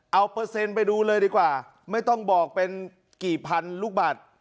เอาเปอร์เซ็นต์ไปดูเลยดีกว่าไม่ต้องบอกเป็นกี่พันลูกบาท